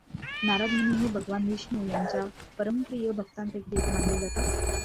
नारद मुनी हे भगवान विष्णू यांच्या परमप्रिय भक्तांपैकी एक मानले जातात.